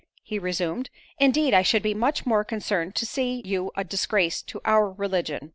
he resumed—"Indeed I should be much more concerned to see you a disgrace to our religion."